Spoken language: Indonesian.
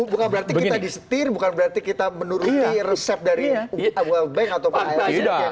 bukan berarti kita disetir bukan berarti kita menuruti resep dari world bank ataupun